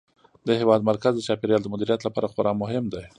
د هېواد مرکز د چاپیریال د مدیریت لپاره خورا مهم دی.